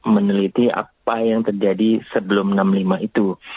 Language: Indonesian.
meneliti apa yang terjadi sebelum enam puluh lima itu